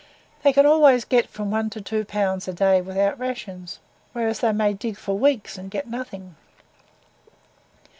They can always get from one to two pounds a day without rations, whereas they may dig for weeks and get nothing.